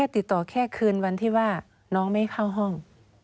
ติดต่อแค่คืนวันที่ว่าน้องไม่ให้เข้าห้อง